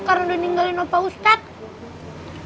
karena udah ninggalin opa ustadz